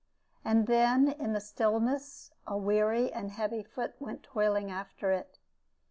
And then in the stillness a weary and heavy foot went toiling after it.